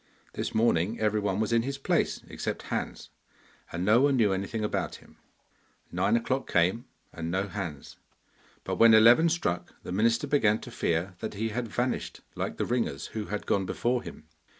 This morning everyone was in his place except Hans, and no one knew anything about him. Nine o'clock came, and no Hans, but when eleven struck the minister began to fear that he had vanished like the ringers who had gone before him.